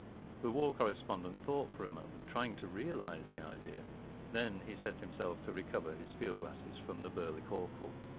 ... The war correspondent thought for a moment, trying to realize the idea. Then he set himself to recover his fidd glasses from the burly corporal.